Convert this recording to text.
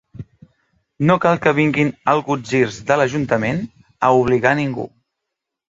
No cal que vinguin algutzirs de l’ajuntament a obligar ningú.